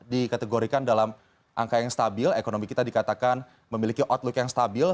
dikategorikan dalam angka yang stabil ekonomi kita dikatakan memiliki outlook yang stabil